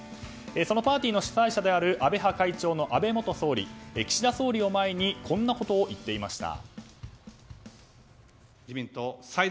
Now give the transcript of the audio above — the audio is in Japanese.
そのパーティーの主催者である安倍派会長の安倍元総理は岸田総理を前にこんなことを言っていました。